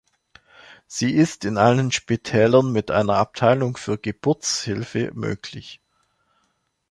Sie ist in allen Spitälern mit einer Abteilung für Geburtshilfe möglich.